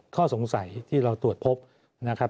ข้อสงสัยที่เราตรวจพบนะครับ